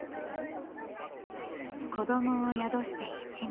子どもを宿して１年。